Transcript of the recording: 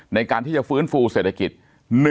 ในการที่จะฟื้นฟูเศรษฐกิจ